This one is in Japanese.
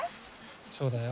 そうだよ。